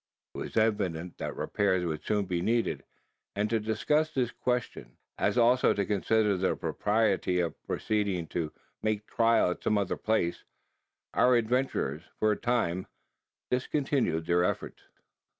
It was evident that repairs would soon be needed; and to discuss this question, as also to consider the propriety of proceeding to make trial at some other place, our adventurers, for a time, discontinued their efforts.